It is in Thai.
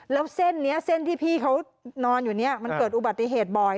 แล้วเส้นนี้เส้นที่พี่เขานอนอยู่เนี่ยมันเกิดอุบัติเหตุบ่อย